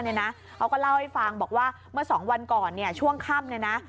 เขาก็เล่าให้ฟังบอกว่าเมื่อสองวันก่อนช่วงค่ำ